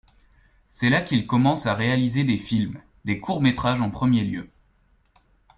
C'est là qu'il commence à réaliser des films, des courts-métrages en premier lieu.